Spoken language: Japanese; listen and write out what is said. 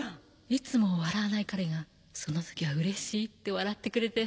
いつも笑わない彼がその時はうれしいって笑ってくれて。